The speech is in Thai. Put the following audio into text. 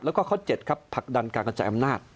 แล้วก็ข้อ๗ครับผลักดันการกระจายอำนาจ